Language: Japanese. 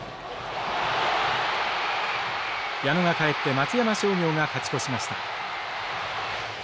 矢野が帰って松山商業が勝ち越しました。